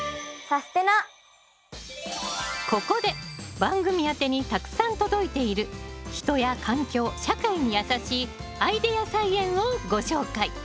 ここで番組宛てにたくさん届いている人や環境社会にやさしいアイデア菜園をご紹介